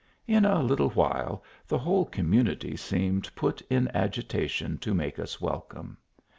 In a little while the whole commu nity seemed put in agitation to make us welcome.